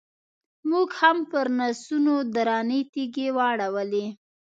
موږ هم پرنسونو درنې تیږې واړولې.